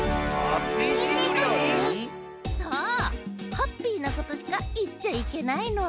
ハッピーなことしかいっちゃいけないの。